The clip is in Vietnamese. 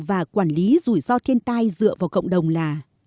và quản lý rủi ro thiên tai dựa vào cộng đồng là